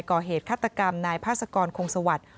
ก่อเหตุคัตกรรมนายพศกรโครงสวรรค์